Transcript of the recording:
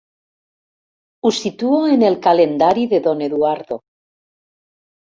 Ho situo en el calendari de don Eduardo.